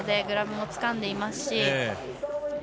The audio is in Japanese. グラブもつかんでいますし。